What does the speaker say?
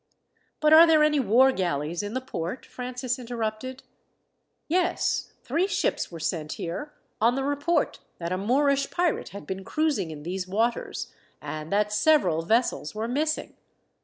"But are there any war galleys in the port?" Francis interrupted. "Yes. Three ships were sent here, on the report that a Moorish pirate had been cruising in these waters, and that several vessels were missing.